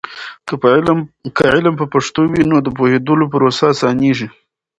که علم په پښتو وي، نو د پوهیدلو پروسه اسانېږي.